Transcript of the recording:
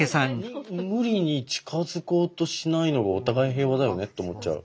無理に近づこうとしないのがお互い平和だよねって思っちゃう。